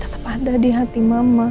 tetep ada di hati mama